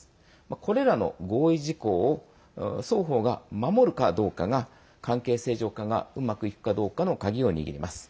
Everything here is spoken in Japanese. これらの合意事項を双方が守るかどうかが関係正常化がうまくいくかどうかの鍵を握ります。